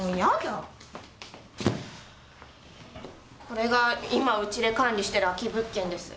これが今うちで管理してる空き物件です。